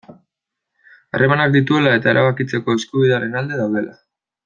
Harremanak dituela eta erabakitzeko eskubidearen alde daudela.